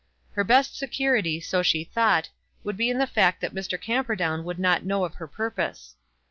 Her best security, so she thought, would be in the fact that Mr. Camperdown would not know of her purpose.